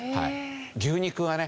牛肉はね